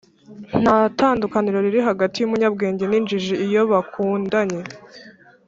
nta tandukaniro riri hagati yumunyabwenge ninjiji iyo bakundanye